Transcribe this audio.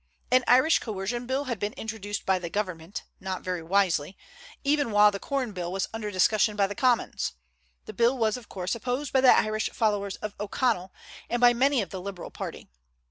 An Irish coercion bill had been introduced by the government, not very wisely, even while the corn bill was under discussion by the Commons. The bill was of course opposed by the Irish followers of O'Connell, and by many of the Liberal party.